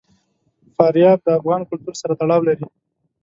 فاریاب د افغان کلتور سره تړاو لري.